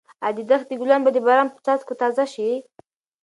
ایا د دښتې ګلان به د باران په څاڅکو تازه شي؟